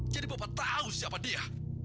jadi bapak tahu siapa dia